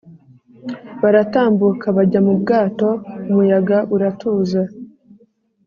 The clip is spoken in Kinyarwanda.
Baratambuka bajya mu bwato umuyaga uratuza